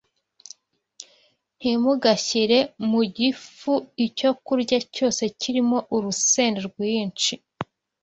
ntimugashyire mu gifu icyokurya cyose kirimo urusenda rwinshi